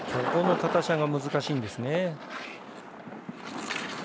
ここも緩斜面が難しいんですね。